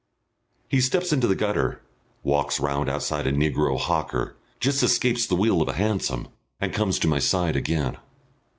He steps into the gutter, walks round outside a negro hawker, just escapes the wheel of a hansom, and comes to my side again.